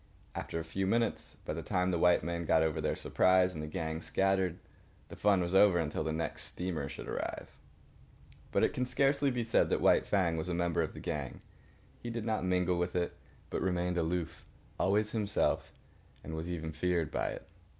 After a few minutes, by the time the white men had got over their surprise, the gang scattered. The fun was over until the next steamer should arrive. But it can scarcely be said that White Fang was a member of the gang. He did not mingle with it, but remained aloof, always himself, and was even feared by it.